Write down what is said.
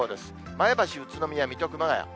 前橋、宇都宮、水戸、熊谷。